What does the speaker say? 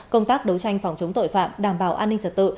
công tác đấu tranh phòng chống tội phạm đảm bảo an ninh trật tự